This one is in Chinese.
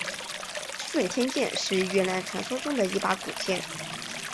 顺天剑是越南传说中的一把古剑。